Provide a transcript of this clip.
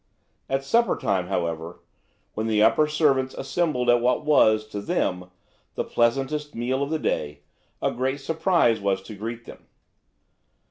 At supper time, however, when the upper servants assembled at what was, to them, the pleasantest meal of the day, a great surprise was to greet them.